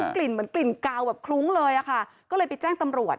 กลิ่นเหมือนกลิ่นกาวแบบคลุ้งเลยอะค่ะก็เลยไปแจ้งตำรวจ